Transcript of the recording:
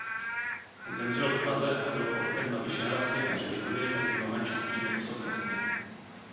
Zemřel v Praze a byl pohřben na Vyšehradském hřbitově mezi mnoha českými osobnostmi.